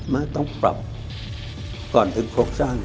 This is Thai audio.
ไม่ต้องปรับก่อนถึงโครงสร้าง